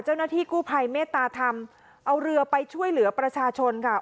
เจ้าหน้าที่กู้ภัยเมตตาธรรมเอาเรือไปช่วยเหลือประชาชนค่ะ